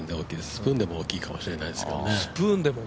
スプーンでも大きいかもしれないですね。